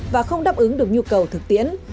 và không đáp ứng được nhu cầu thực tiễn